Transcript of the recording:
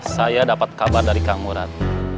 saya dapat kabar dari kang urat